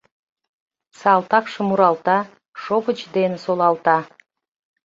Салтакше муралта, шовыч ден солалта.